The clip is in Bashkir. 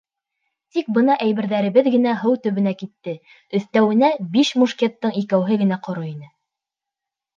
Тик бына әйберҙәребеҙ генә һыу төбөнә китте, өҫтәүенә, биш мушкеттың икәүһе генә ҡоро ине.